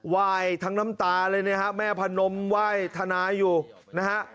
ว่ายทั้งน้ำตาเลยนะครับแม่พนมว่ายทนายอยู่นะฮะ